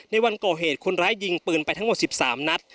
ในวันก่อเหตุคนร้ายยิงปืนไปทั้งหมด๑๓นัด